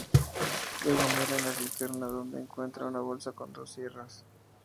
Luego mira en la cisterna, donde encuentra una bolsa con dos sierras.